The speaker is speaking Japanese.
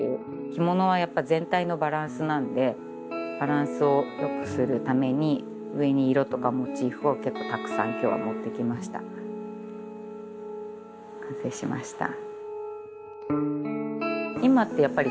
着物はやっぱ全体のバランスなんでバランスを良くするために上に色とかモチーフを結構たくさん今日は持って来ました。完成しました。